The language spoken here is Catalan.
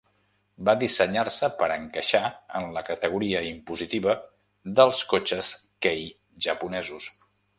Va dissenyar-se per encaixar en la categoria impositiva dels cotxes kei japonesos.